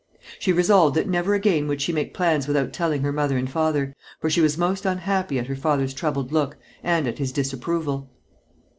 She resolved that never again would she make plans without telling her mother and father, for she was most unhappy at her father's troubled look, and at his disapproval.